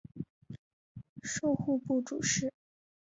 授户部主事。